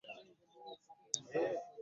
Omuyaagga gwaleka abantu bakaaba nga ntulege.